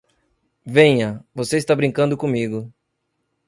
Venha, você está brincando comigo!